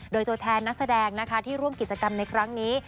โดยตัวแทนนักแสดงนะคะที่ร่วมกิจกรรมในครั้งนี้